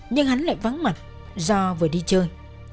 nhưng hắn lại vắng mặt do vừa đi chơi